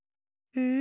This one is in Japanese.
うん？